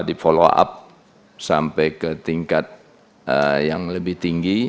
di follow up sampai ke tingkat yang lebih tinggi